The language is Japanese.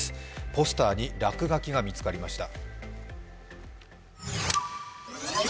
ポスターに落書きが見つかりました。